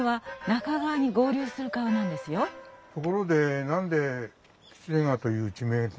ところで何で喜連川という地名で？